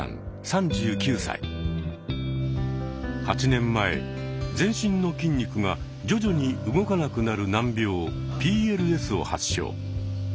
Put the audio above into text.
８年前全身の筋肉が徐々に動かなくなる難病「ＰＬＳ」を発症。